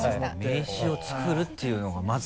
名刺を作るっていうのがまずね。